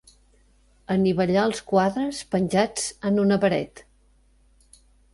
Anivellar els quadres penjats en una paret.